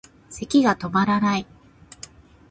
咳がとまらない